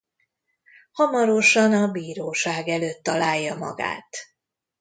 Hamarosan a bíróság előtt találja magát.